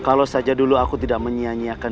kalau saja dulu aku tidak menyianyiakan